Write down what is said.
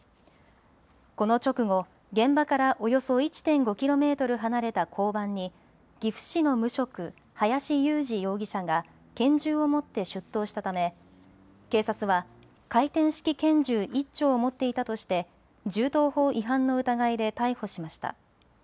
この直後、現場からおよそ１．５キロメートル離れた交番に岐阜市の無職、林雄司容疑者が拳銃を持って出頭したため警察は回転式拳銃１丁を持っていたとして銃刀法違反の疑いで逮捕しました。